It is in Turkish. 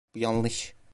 Bu yanlış.